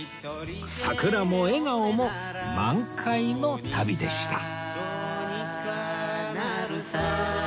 桜も笑顔も満開の旅でした